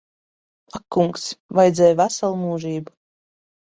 Ak kungs. Vajadzēja veselu mūžību.